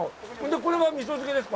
これは味噌漬けですか。